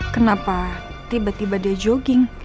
kenapa tiba tiba dia jogging